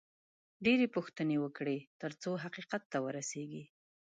ډېرې پوښتنې وکړئ، ترڅو حقیقت ته ورسېږئ